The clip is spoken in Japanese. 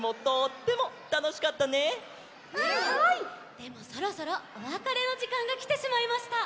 でもそろそろおわかれのじかんがきてしまいました。